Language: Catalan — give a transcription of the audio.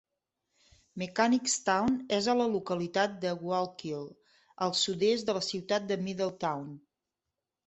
Mechanicstown és a la localitat de Walkill, al sud-est de la ciutat de Middletown.